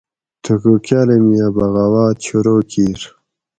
تھوکو کاۤلاۤمیہ بغاوت شروع کیر